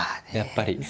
やっぱり。